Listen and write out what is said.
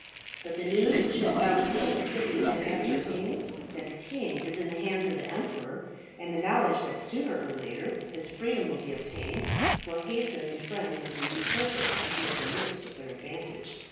But the news which has now positively been ascertained, that the king is in the hands of the emperor, and the knowledge that sooner or later his freedom will be obtained, will hasten the friends of the usurper to make the most of their advantage.